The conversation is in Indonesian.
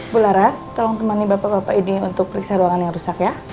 bu laras tolong temani bapak bapak ini untuk periksa ruangan yang rusak ya